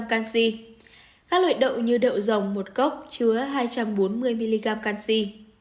canxi các loại đậu như đậu dòng một cốc chứa hai trăm bốn mươi mg canxi